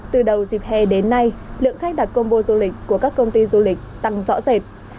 từ đầu dịp hè đến nay lượng khách đặt combo du lịch của các công ty du lịch tăng rõ rệt